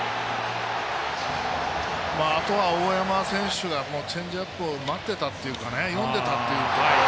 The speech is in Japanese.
あとは大山選手がチェンジアップを待ってたというかね読んでたというところで。